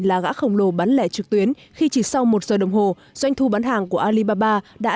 là gã khổng lồ bán lẻ trực tuyến khi chỉ sau một giờ đồng hồ doanh thu bán hàng của alibaba đã